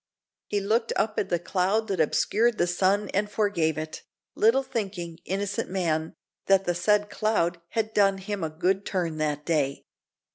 He looked up at the cloud that obscured the sun, and forgave it, little thinking, innocent man, that the said cloud had done him a good turn that day.